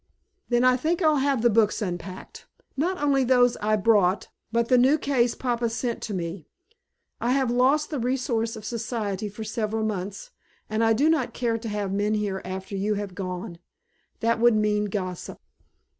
"Then I think I'll have the books unpacked, not only those I brought, but the new case papa sent to me. I have lost the resource of Society for several months, and I do not care to have men here after you have gone. That would mean gossip."